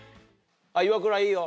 イワクラいいよ。